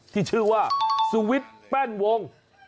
ที่ชื่อว่าสุวิทย์แป้นวง